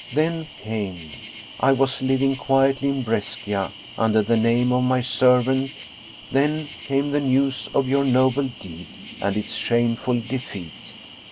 Then came I was living quietly in Brescia under the name of my servant then came the news of your noble deed and its shameful defeat.